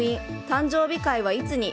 誕生日会はいつに。